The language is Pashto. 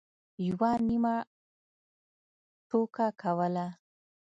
یوه نیمه ټوکه کوله.